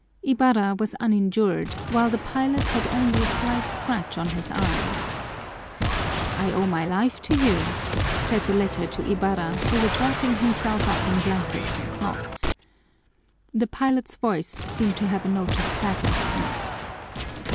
Ibarra was uninjured, while the pilot had only a slight scratch on his arm. "I owe my life to you," said the latter to Ibarra, who was wrapping himself up in blankets and cloths. The pilot's voice seemed to have a note of sadness in it.